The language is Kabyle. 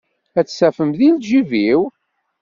Ad tt-tafem di lǧib-iw?